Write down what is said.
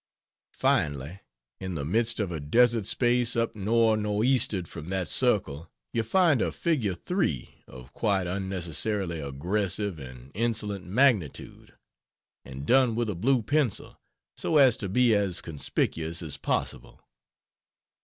Finally, in the midst of a desert space up nor noreastard from that circle you find a figure "3" of quite unnecessarily aggressive and insolent magnitude and done with a blue pencil, so as to be as conspicuous as possible.